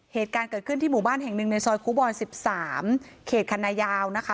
เหตุการณ์เกิดขึ้นที่หมู่บ้านแห่งหนึ่งในซอยครูบอล๑๓เขตคณะยาวนะคะ